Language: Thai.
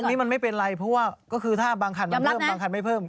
อันนี้มันไม่เป็นไรเพราะว่าก็คือถ้าบางคันมันเริ่มบางคันไม่เพิ่ม